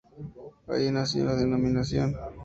Allí nació la denominación.